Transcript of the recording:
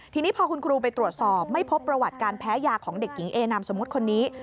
ทีนี้พอคุณครูไปตรวจสอบไม่พบประวัติการแพ้ยาของเด็กหญิงเอนามสมมุติคนนี้